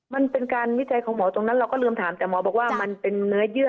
มันเป็นการวิจัยของหมอตรงนั้นเราก็ลืมถามแต่หมอบอกว่ามันเป็นเนื้อเยื่อ